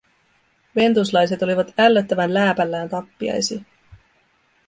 Ventuslaiset olivat ällöttävän lääpällään tappiaisiin.